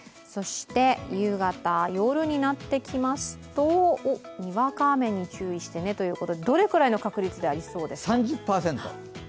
夕方、夜になってきますと、にわか雨に注意してねということで、どれくらいの確率でありそうですか？